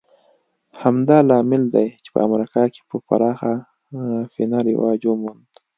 همدا لامل دی چې په امریکا کې په پراخه پینه رواج وموند